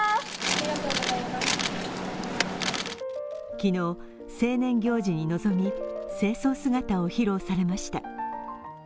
昨日、成年行事に臨み、正装姿を披露されました。